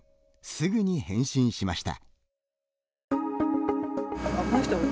すぐに返信しました。